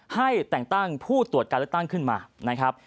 ให้แต่งตั้งผู้ตรวจการเลือกตั้งขึ้นมานะครับ